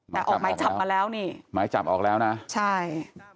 แต่ออกหมายจับมาแล้วนี่หมายจับออกแล้วนะใช่